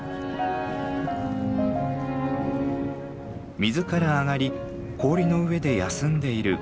水から上がり氷の上で休んでいるコハクチョウ。